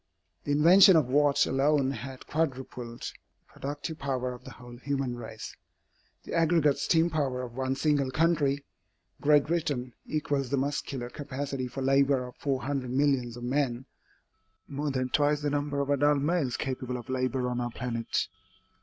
The invention of Watt alone has quadrupled the productive power of the whole human race. The aggregate steam power of one single country, Great Britain, equals the muscular capacity for labor of four hundred millions of men more than twice the number of adult males capable of labor on our planet.